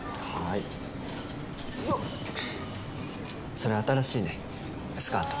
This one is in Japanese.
「それ新しいねスカート」